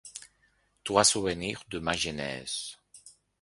‘Trois souvenirs de ma jeunesse’.